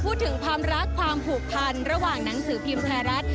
พูดถึงความรักความผูกพันระหว่างหนังสือพิมพ์ไทยรัฐ